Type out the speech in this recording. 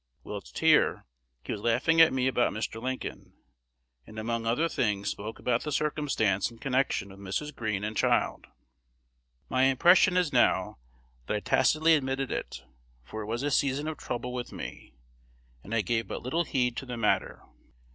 Whilst here, he was laughing at me about Mr. Lincoln, and among other things spoke about the circumstance in connection with Mrs. Greene and child. My impression is now that I tacitly admitted it, for it was a season of trouble with me, and I gave but little heed to the matter.